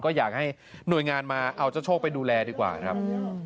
ก็อยากให้หน่วยงานมาเอาเจ้าโชคไปดูแลดีกว่าครับ